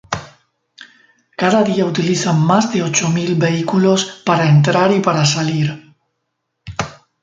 Cada día la utilizan más de ocho mil vehículos para entrar y para salir.